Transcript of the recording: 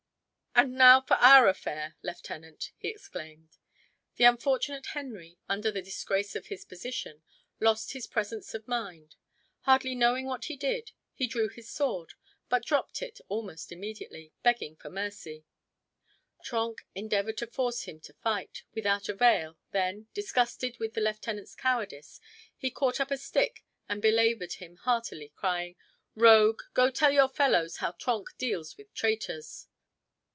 "And now, for our affair, lieutenant!" he exclaimed. The unfortunate Henry, under the disgrace of his position, lost his presence of mind. Hardly knowing what he did, he drew his sword, but dropped it almost immediately, begging for mercy. Trenck endeavored to force him to fight, without avail, then, disgusted with the lieutenant's cowardice, he caught up a stick and belabored him heartily, crying: "Rogue, go tell your fellows how Trenck deals with traitors!"